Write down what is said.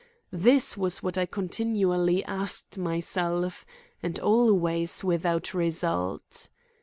This was what I continually asked myself, and always without result.